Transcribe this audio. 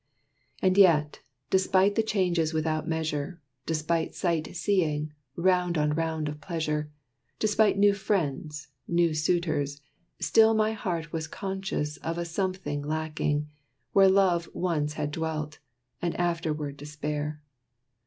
And yet, despite the changes without measure, Despite sight seeing, round on round of pleasure; Despite new friends, new suitors, still my heart Was conscious of a something lacking, where Love once had dwelt, and afterward despair.